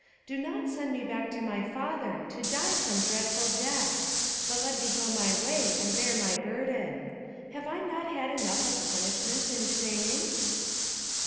Do not send me back to my father, to die some dreadful death; but let me go my way, and bear my burden. Have I not had enough of punishment and shame?"